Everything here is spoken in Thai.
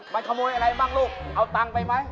ฮะเฮ้ยมันขโมยอะไรบ้างลูกเอาเงินไปไหม